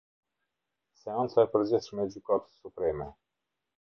Seanca e përgjithshme e Gjykatës Supreme.